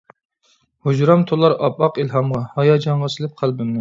ھۇجرام تولار ئاپئاق ئىلھامغا، ھاياجانغا سېلىپ قەلبىمنى.